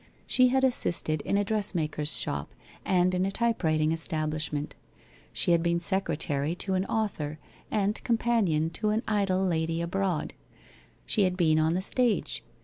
She had assisted in a dressmaker's shop, and in a typewriting establishment. She had been secretary to an author, and companion to an idle lady abroad. She had been on the stage.